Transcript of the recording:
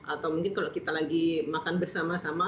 atau mungkin kalau kita lagi makan bersama sama